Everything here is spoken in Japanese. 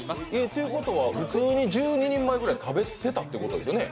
ということは普通に１２人前ぐらい食べてたってことですね。